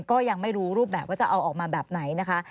ก็ยังไม่รู้รูปแบบว่าจะเอาออกมาแบบไหนนะคะ